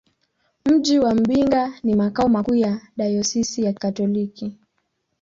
Mji wa Mbinga ni makao makuu ya dayosisi ya Kikatoliki.